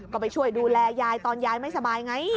ก็ไปช่วยดูแลยายตอนยายไม่สบายไง